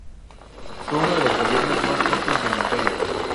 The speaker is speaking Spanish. Fue uno de los gobiernos más cortos del imperio.